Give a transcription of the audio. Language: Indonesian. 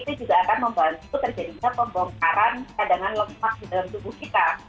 itu juga akan membantu terjadinya pembongkaran cadangan lemak di dalam tubuh kita